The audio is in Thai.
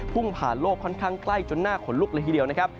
พุ่งผ่านโลกค่อนข้างใกล้จนหน้าขนลุกเลยทีเดียวนะครับ